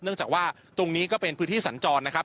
จากว่าตรงนี้ก็เป็นพื้นที่สัญจรนะครับ